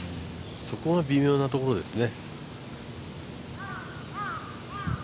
そこが微妙なところですね。